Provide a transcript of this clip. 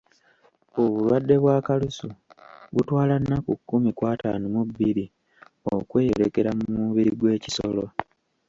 Obulwadde bwa kalusu butwala nnaku kkumi ku ataano mu bbiri okweyolekera mu mubiri gw'ekisolo.